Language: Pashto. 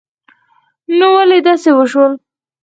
نو ولی داسی وشول